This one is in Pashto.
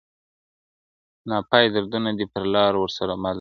ناپای دردونه دي پر لار ورسره مل زه یم,